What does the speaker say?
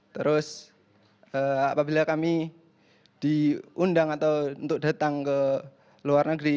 terus apabila kami diundang atau untuk datang ke luar negeri